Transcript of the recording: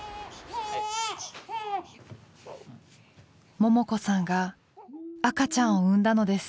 ももこさんが赤ちゃんを産んだのです。